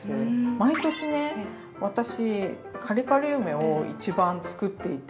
毎年ね私カリカリ梅を一番作っていて。